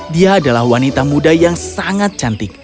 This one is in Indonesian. dia adalah wanita muda yang sangat cantik